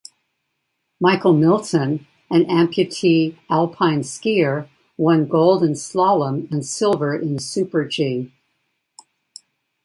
Michael Milton, an amputee alpine skier, won gold in slalom and silver in super-G.